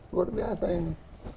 luar biasa ini